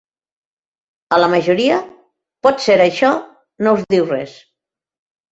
A la majoria, potser això no us diu res.